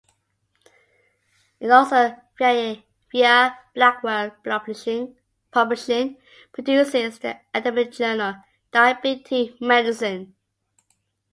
It also, via Blackwell Publishing, produces the academic journal, "Diabetic Medicine".